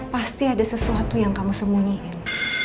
pasti ada sesuatu yang kamu sembunyiin